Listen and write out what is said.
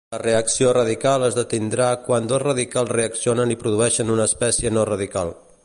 La reacció radical es detindrà quan dos radicals reaccionen i produeixen una espècie no radical.